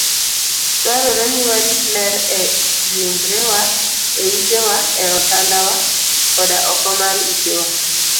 Dwarore ni warit ler e ringrewa, e utewa, e otandawa, koda oko mar utewa.